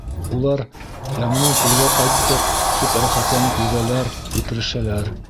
Улар, яңынан күлгә ҡайттыҡ, тип рәхәтләнеп йөҙәләр, һикерешәләр.